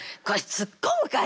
突っ込むかい？